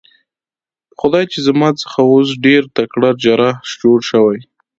په خدای چې زما څخه اوس ډېر تکړه جراح جوړ شوی.